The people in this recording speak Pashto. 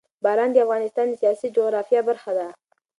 باران د افغانستان د سیاسي جغرافیه برخه ده.